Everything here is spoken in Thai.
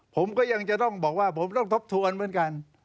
ผมก็ยังจะต้องบอกว่าผมต้องทบทวนเหมือนกัน